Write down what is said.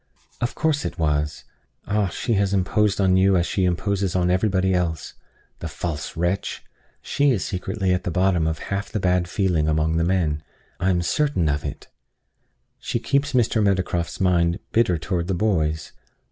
"Of course it was. Ah! she has imposed on you as she imposes on everybody else. The false wretch! She is secretly at the bottom of half the bad feeling among the men. I am certain of it she keeps Mr. Meadowcroft's mind bitter toward the boys.